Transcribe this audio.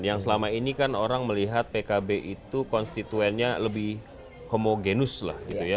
yang selama ini kan orang melihat pkb itu konstituennya lebih homogenus lah gitu ya